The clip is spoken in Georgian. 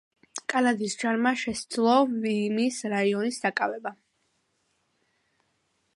კანადის ჯარმა შესძლო ვიმის რაიონის დაკავება.